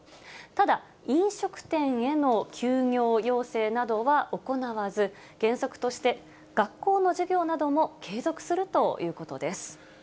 ただ、飲食店への休業要請などは行わず、原則として学校の授業なども継続するということです。